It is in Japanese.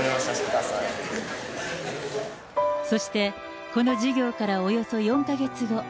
そして、この授業からおよそ４か月後。